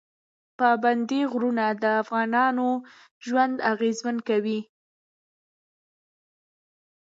پابندی غرونه د افغانانو ژوند اغېزمن کوي.